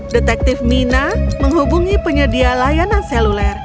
detektif mina menghubungi penyedia layanan seluler